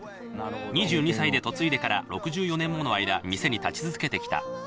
２２歳で嫁いでから６４年もの間、店に立ち続けてきた。